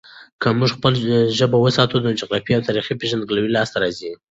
که موږ خپله ژبه وساتو، نو جغرافیايي او تاريخي پیژندګلوي لاسته راځي.